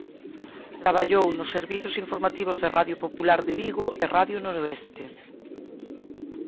Traballou nos servizos informativos de Radio Popular de Vigo e Radio Noroeste.